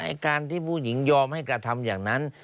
การที่ผู้หญิงยอมให้กระทำอย่างนั้น